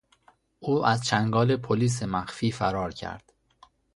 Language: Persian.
او از چنگال پلیس مخفی فرار کرد.